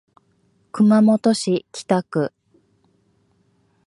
熊本市北区